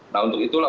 nah untuk itulah